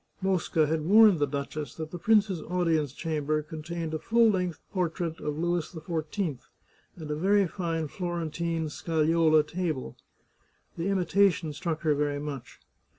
Mosca had warned the duchess that the prince's audience chamber contained a full length portrait of Louis XIV and a very fine Florentine scagliola table. The imitation struck her very much.